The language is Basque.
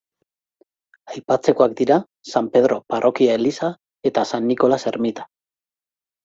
Aipatzekoak dira San Pedro parrokia-eliza eta San Nikolas ermita.